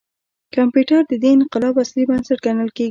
کمپیوټر د دې انقلاب اصلي بنسټ ګڼل کېږي.